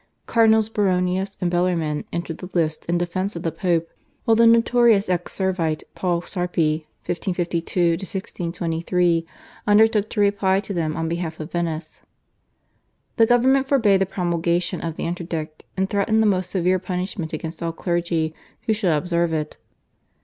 Cardinals Baronius and Bellarmine entered the lists in defence of the Pope, while the notorious ex Servite, Paul Sarpi (1552 1623), undertook to reply to them on behalf of Venice. The government forbade the promulgation of the interdict, and threatened the most severe punishment against all clergy who should observe it.